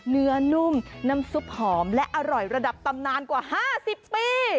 นุ่มน้ำซุปหอมและอร่อยระดับตำนานกว่า๕๐ปี